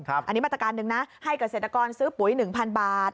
อันนี้มาตรการหนึ่งนะให้เกษตรกรซื้อปุ๋ย๑๐๐๐บาท